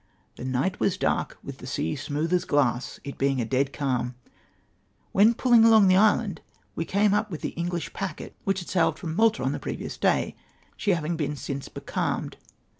The night was dark, with the sea smooth as glass, it being a dead calm. When puUmg along the island we came up with the Enghsh })acket, which had sailed from Malta on the previous day, she haviuG; been since becalmed.